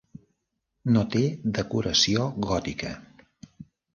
No té decoració gòtica.